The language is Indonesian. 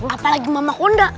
apalagi mama konda